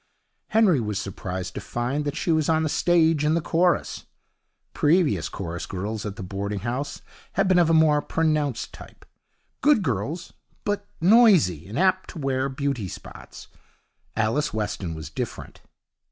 Henry was surprised to find that she was on the stage, in the chorus. Previous chorus girls at the boarding house had been of a more pronounced type good girls, but noisy, and apt to wear beauty spots. Alice Weston was different.